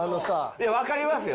いやわかりますよ。